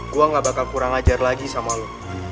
gue gak bakal kurang ajar lagi sama lo